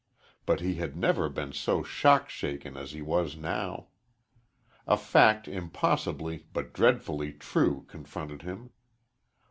But he had never been so shock shaken as he was now. A fact impossibly but dreadfully true confronted him.